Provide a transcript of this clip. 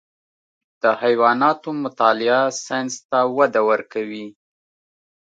د حیواناتو مطالعه ساینس ته وده ورکوي.